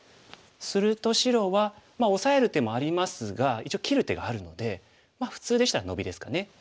すると白はオサえる手もありますが一応切る手があるので普通でしたらノビですかね。